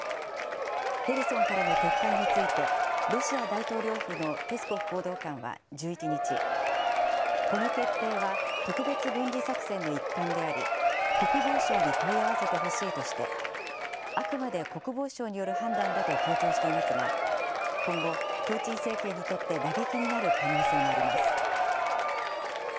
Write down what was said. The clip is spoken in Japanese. ヘルソンからの撤退について、ロシア大統領府のペスコフ報道官は１１日、この決定は、特別軍事作戦の一環であり、国防省に問い合わせてほしいとして、あくまで国防省による判断だと強調していますが、今後、プーチン政権にとって打撃になる可能性もあります。